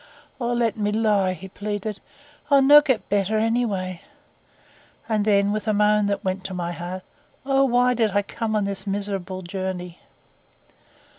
'O let me lie!' he pleaded. 'I'll no' get better anyway.' And then, with a moan that went to my heart, 'O why did I come upon this miserable journey?